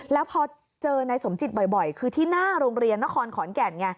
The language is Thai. แล้วพอเจอนายสมจิตบ่อยคือที่หน้าโรงเรียนนครขอนแก่นไง